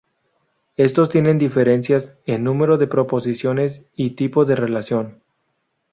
Estos tienen diferencias en "número de proposiciones" y "tipo de relación.